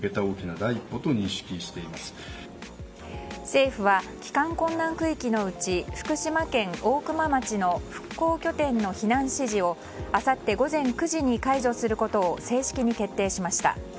政府は帰還困難区域のうち福島県大熊町の復興拠点の避難指示をあさって午前９時に解除することを正式に決定しました。